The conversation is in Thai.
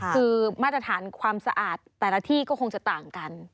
คือมาตรฐานความสะอาดแต่ละที่ก็คงจะต่างกัน